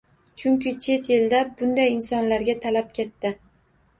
Chunki chet elda bunday insonlarga talab katta.